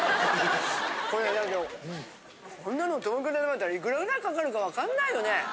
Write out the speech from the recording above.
これこんなの東京で食べたらいくら位かかるかわかんないよね。